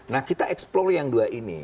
nah kita explore yang dua ini